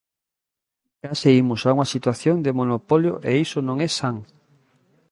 Case imos a unha situación de monopolio e iso non é san.